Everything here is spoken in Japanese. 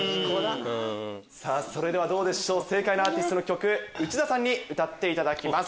さぁそれでは正解のアーティストの曲内田さんに歌っていただきます